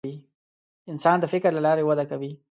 انسان د فکر له لارې وده کوي.